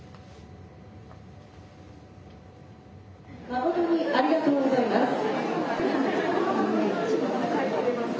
「まことにありがとうございます」。